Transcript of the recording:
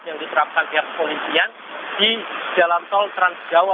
yang diterapkan pihak komunisian di jalan tol trans jawa